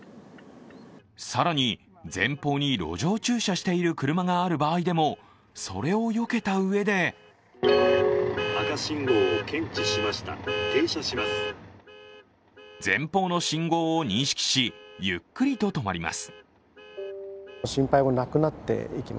更に前方に路上駐車している車がある場合でも、それをよけたうえで前方の信号を認識しゆっくりと止まります。